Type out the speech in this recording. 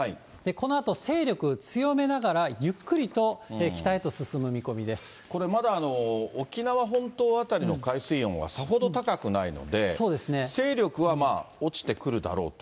このあと、勢力強めながら、これ、まだ沖縄本島辺りの海水温はさほど高くないので、勢力は落ちてくるだろうと。